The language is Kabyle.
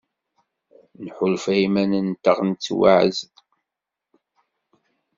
Nḥulfa i yiman-nteɣ nettwaɛzel.